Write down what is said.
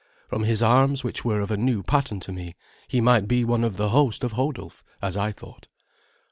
From his arms, which were of a new pattern to me, he might be one of the host of Hodulf, as I thought.